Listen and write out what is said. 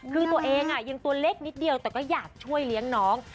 คือตัวเองยังตัวเล็กนิดเดียวแต่ก็อยากช่วยเลี้ยงน้อง